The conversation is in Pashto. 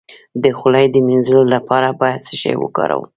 د خولې د مینځلو لپاره باید څه شی وکاروم؟